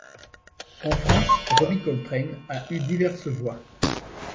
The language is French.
En France, Robbie Coltrane a eu diverses voix.